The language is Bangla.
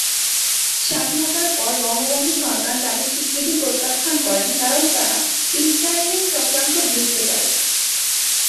স্বাধীনতার পরে বঙ্গবন্ধু সরকার তাদের স্বীকৃতি প্রত্যাখ্যান করেন কারন তারা ইসরাইলের চক্রান্ত বুঝতে পারে।